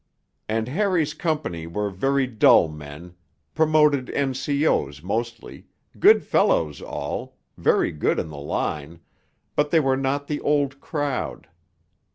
And Harry's company were very dull men, promoted N.C.O.'s mostly, good fellows all very good in the line but they were not the Old Crowd.